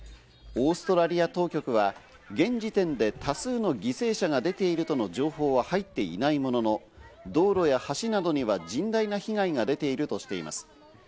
オーストラリア当局は、現時点で多数の犠牲者が出ているとの情報は入っていないものの、道路や橋などには甚大な被害が出ているとしています。